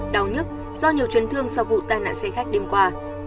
đau nhất do nhiều chấn thương sau vụ tai nạn xe khách đêm qua